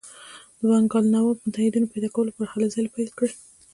د بنګال نواب متحدینو پیدا کولو لپاره هلې ځلې پیل کړې.